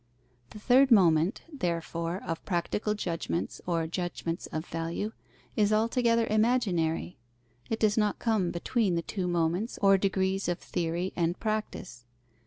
The third moment, therefore, of practical judgments, or judgments of value, is altogether imaginary. It does not come between the two moments or degrees of theory and practice.